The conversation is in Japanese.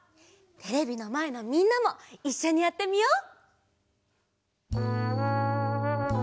テレビのまえのみんなもいっしょにやってみよう！